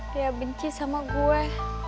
dia benci sama gue